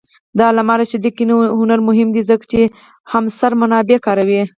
د علامه رشاد لیکنی هنر مهم دی ځکه چې همعصر منابع کاروي.